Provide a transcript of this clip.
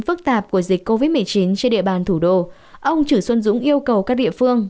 phức tạp của dịch covid một mươi chín trên địa bàn thủ đô ông chử xuân dũng yêu cầu các địa phương